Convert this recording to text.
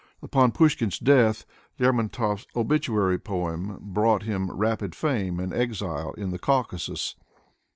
Upon Pushkin's death Lermontov's obituary poem brought him rapid fame and exile to the Caucasus.